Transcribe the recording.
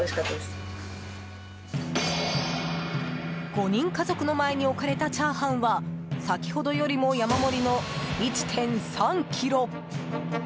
５人家族の前に置かれたチャーハンは先ほどよりも山盛りの１．３ｋｇ。